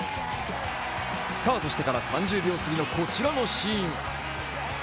スタートしてから３０秒過ぎのこちらのシーン。